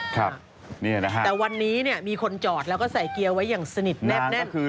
แต่วันนี้เนี่ยมีคนจอดแล้วก็ใส่เกียร์ไว้อย่างสนิทแนบแน่น